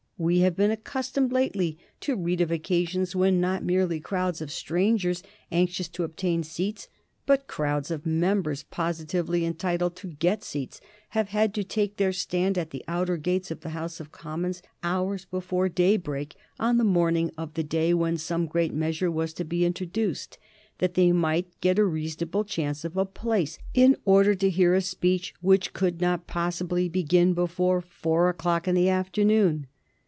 We have been accustomed lately to read of occasions when not merely crowds of strangers anxious to obtain seats, but crowds of members positively entitled to get seats, have had to take their stand at the outer gates of the House of Commons hours before daybreak on the morning of the day when some great measure was to be introduced, that they might get a reasonable chance of a place, in order to hear a speech which could not possibly begin before four o'clock in the afternoon.